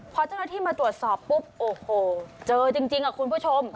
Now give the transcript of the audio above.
พอเจ้าหน้าที่มาตรวจสอบปุ๊บโอ้โหเจอจริงคุณผู้ชม